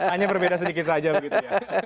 hanya berbeda sedikit saja begitu ya